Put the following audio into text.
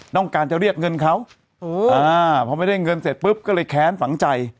ต้องการจะเรียกเงินเขาพอไม่ได้เงินเสร็จปุ๊บก็เลยแค้นฝังใจ